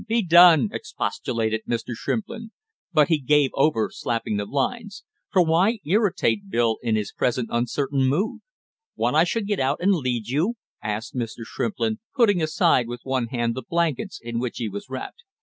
Be done!" expostulated Mr. Shrimplin, but he gave over slapping the lines, for why irritate Bill in his present uncertain mood? "Want I should get out and lead you?" asked Mr. Shrimplin, putting aside with one hand the blankets in which he was wrapped.